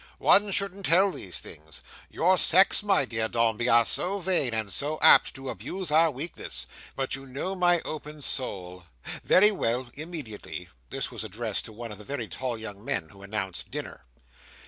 One shouldn't tell these things; your sex, my dear Dombey, are so vain, and so apt to abuse our weakness; but you know my open soul—very well; immediately." This was addressed to one of the very tall young men who announced dinner.